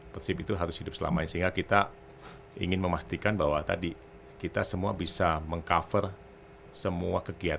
perisip itu harus hidup selamanya sehingga kita ingin memastikan bahwa tadi kita semua bisa meng cover semua kegiatan yang ada di dalamnya